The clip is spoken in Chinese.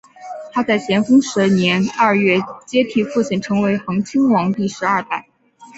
他在咸丰十年二月接替父亲成为恒亲王第十二代。